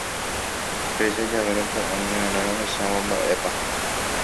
Péicha jave ropu'ãmiva'erã rohechávo mba'épa.